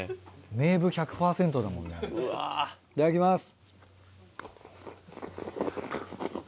めーぶ１００％だもんねいただきます。